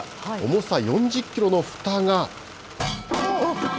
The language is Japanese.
重さ４０キロのふたが。